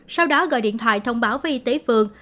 sau đó gọi điện thoại thông báo với y tế phường